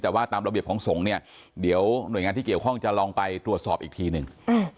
แต่ว่าตามระเบียบของสงฆ์เนี่ยเดี๋ยวหน่วยงานที่เกี่ยวข้องจะลองไปตรวจสอบอีกทีหนึ่ง